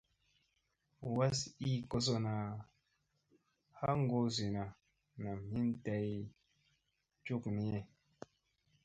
Was ii kozona ha goo zina nam hin day cukniye.